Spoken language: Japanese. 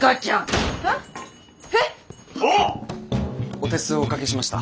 お手数お掛けしました。